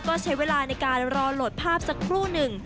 ก็ใช้เวลาในการรอโหลดภาพสักครู่หนึ่ง